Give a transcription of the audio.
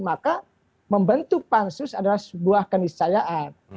maka membentuk pansus adalah sebuah keniscayaan